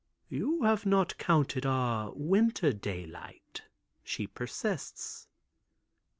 "You have not counted our winter daylight," she persists.